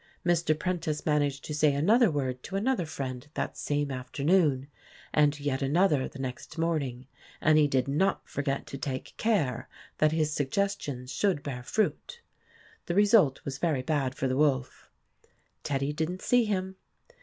Mr. Prentice managed to say another word to another friend that same afternoon ; and to yet another the next morning, and he did not forget to take care that his sugfSfestions should bear fruit. o o o The result was very bad for the wolf. Teddy did n't see him.